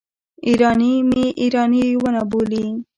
ایراني مې ایراني ونه بولي.